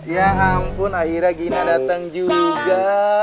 ya ampun akhirnya gina datang juga